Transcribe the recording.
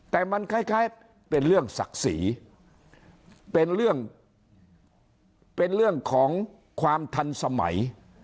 แต่มันคล้ายเป็นเรื่องศักดิ์ศรีเป็นเรื่องเป็นเรื่องของความทันสมัย